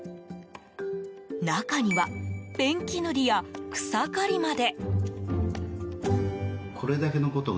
中にはペンキ塗りや草刈りまで。